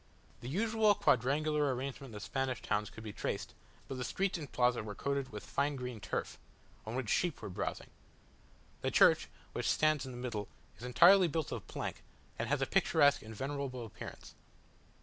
The usual quadrangular arrangement of Spanish towns could be traced, but the streets and plaza were coated with fine green turf, on which sheep were browsing. The church, which stands in the middle, is entirely built of plank, and has a picturesque and venerable appearance.